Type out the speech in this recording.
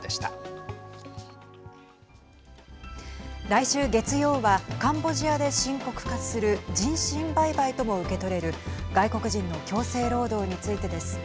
来週月曜はカンボジアで深刻化する人身売買とも受け取れる外国人の強制労働についてです。